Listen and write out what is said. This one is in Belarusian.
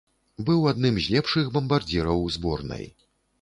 Быў адным з лепшых бамбардзіраў зборнай.